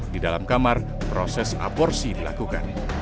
di dalam kamar proses aborsi dilakukan